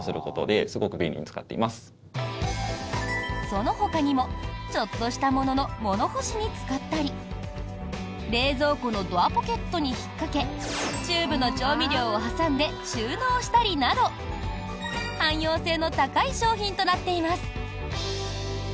そのほかにもちょっとしたものの物干しに使ったり冷蔵庫のドアポケットに引っかけチューブの調味料を挟んで収納したりなど汎用性の高い商品となっています。